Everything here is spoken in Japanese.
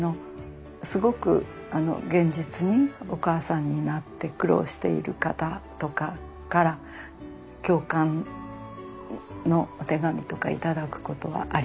すごく現実にお母さんになって苦労している方とかから共感のお手紙とか頂くことはありますね。